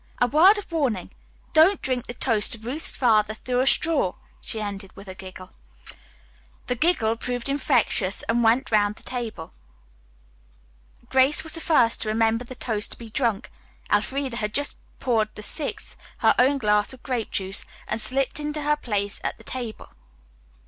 A word of warning, don't drink the toast to Ruth's father through a straw," she ended with a giggle. The giggle proved infectious and went the round of the table. Grace was the first to remember the toast to be drunk. Elfreda had just poured the sixth, her own glass of grape juice, and slipped into her place at the table.